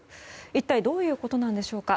一体どういうことなんでしょうか。